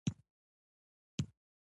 دا ځمکه برکتي ده.